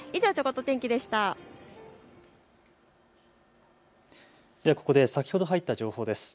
ここで先ほど入った情報です。